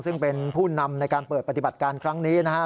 ซึ่งเป็นผู้นำในการเปิดปฏิบัติการครั้งนี้นะครับ